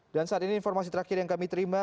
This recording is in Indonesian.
dan saat ini informasi terakhir yang kami terima